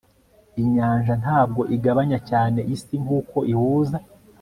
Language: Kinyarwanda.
inyanja ntabwo igabanya cyane isi nkuko ihuza